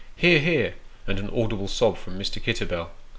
(" Hear, hear !" and an audible sob from Mr. Kitterbell.)